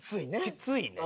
きついねん。